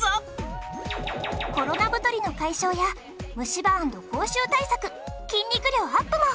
コロナ太りの解消や虫歯＆口臭対策筋肉量アップも！